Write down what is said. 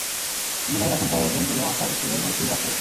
অগ্নিদাহের আশঙ্কায় একজন করিয়া মাস্টার স্কুলের ঘরেতেই বাস করিত।